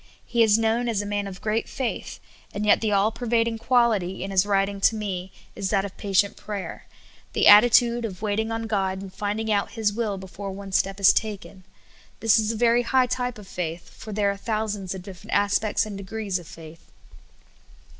He is known as a man of great faith, and 3'et the all pervading quality in his 78 SOUL FOOD. writing to me is that of patient prayer — the attitude of waiting on God and finding out His will before one step is taken. This is a very high type of faith, for there are thousands of different aspects and degrees of faith.